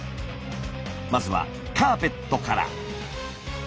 まずはカーペットから。